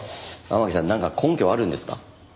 天樹さんなんか根拠あるんですか？